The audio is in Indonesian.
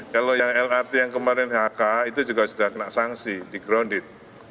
kalau yang lrt yang kemarin hk itu juga sudah kena sanksi di grounded